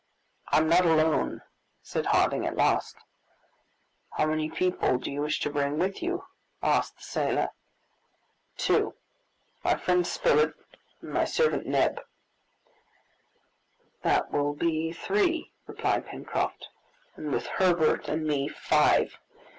"I am not alone!" said Harding at last. "How many people do you wish to bring with you?" asked the sailor. "Two; my friend Spilett, and my servant Neb." "That will be three," replied Pencroft; "and with Herbert and me five.